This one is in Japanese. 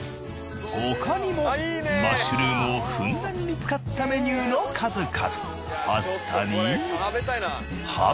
他にもマッシュルームをふんだんに使ったメニューの数々。